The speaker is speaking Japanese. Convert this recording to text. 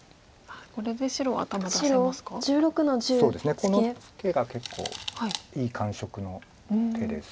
このツケが結構いい感触の手です。